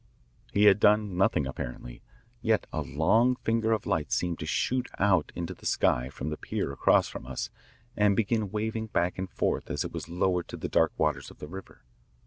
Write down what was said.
He had done nothing apparently, yet a long finger of light seemed to shoot out into the sky from the pier across from us and begin waving back and forth as it was lowered to the dark waters of the river.